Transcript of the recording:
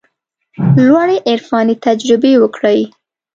لوړې عرفاني تجربې وکړي.